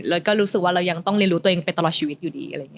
แล้วก็รู้สึกว่าเรายังต้องเรียนรู้ตัวเองไปตลอดชีวิตอยู่ดี